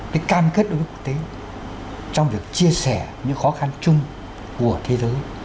cái cam kết đối với quốc tế trong việc chia sẻ những khó khăn chung của thế giới